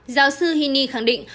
giáo sư hiney khẳng định